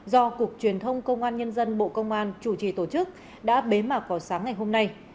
do cục truyền thông công an nhân dân bộ công an chủ trì tổ chức đã bế mạc vào sáng ngày hôm nay